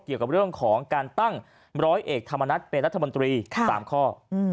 เกี่ยวกับเรื่องของการตั้งร้อยเอกธรรมนัฐเป็นรัฐมนตรี๓ข้อ